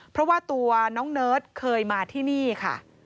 เพราะว่าตัวน้องเนิร์ดเคยมาที่นี่ค่ะ